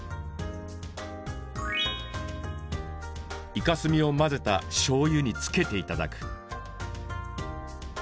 イカ墨を混ぜたしょうゆにつけていただく。